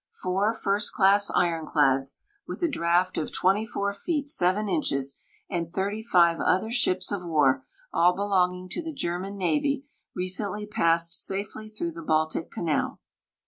Four first class ironclads, with a draught of 24 feet 7 inches, and thirty five other ships of war, all belonging to the German navy, recently passed safely through the Baltic canal.